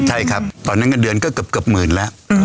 ใช่ครับตอนนั้นเงินเดือนก็เกือบหมื่นแล้ว